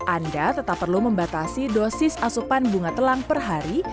anda tetap perlu membatasi dosis asupan bunga telang per hari